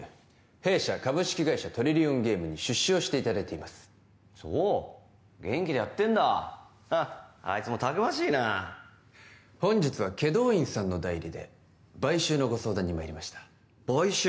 弊社株式会社トリリオンゲームに出資をしていただいていますそう元気でやってんだあいつもたくましいな本日は祁答院さんの代理で買収のご相談にまいりました買収？